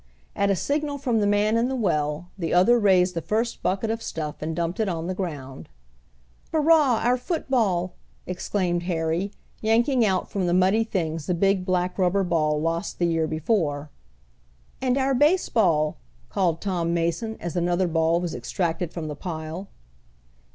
At a signal from the man in the well the other raised the first bucket of stuff and dumped it on the ground. "Hurrah! Our football!" exclaimed Harry, yanking out from the muddy things the big black rubber ball lost the year before. "And our baseball," called Tom Mason, as another ball was extracted from the pile.